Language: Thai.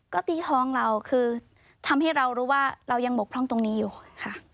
ก็ตีท้องเราคือทำให้เรารู้ว่าเรายังบกพร่องตรงนี้อยู่ค่ะ